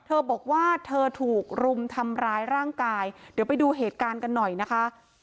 เธอบอกว่าเธอถูกรุมทำร้ายร่างกายเดี๋ยวไปดูเหตุการณ์กันหน่อยนะคะ